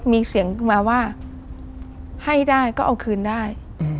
มีเสียงขึ้นมาว่าให้ได้ก็เอาคืนได้